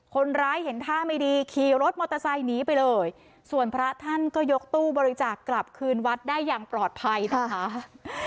เห็นท่าไม่ดีขี่รถมอเตอร์ไซค์หนีไปเลยส่วนพระท่านก็ยกตู้บริจาคกลับคืนวัดได้อย่างปลอดภัยนะคะ